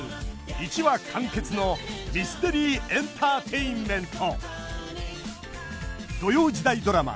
１話完結のミステリー・エンターテインメント！